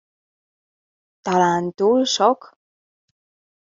Talán túl sok?